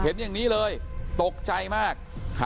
เห็นอย่างนี้เลยตกใจมาก